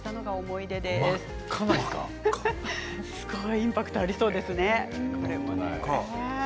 インパクトありそうですね。